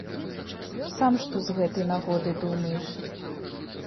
Сам што з гэтай нагоды думаеш?